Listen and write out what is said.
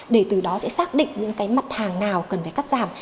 để từ đó sẽ xác định những cái mặt hàng nào cần phải cắt giảm